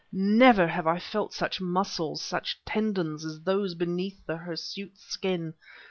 Never have I felt such muscles, such tendons, as those beneath the hirsute skin!